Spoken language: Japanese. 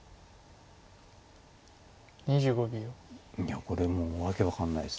いやこれもう訳分かんないです。